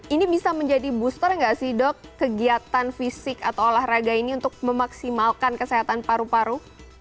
ini bisa menjadi booster nggak sih dok kegiatan fisik atau olahraga ini untuk memaksimalkan kesehatan paru paru